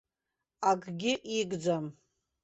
Акгьы игӡам.